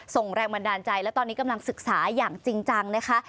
ส่งแรงบันดาลใจและตอนนี้กำลังศึกษาอย่างจริงจังนะคะ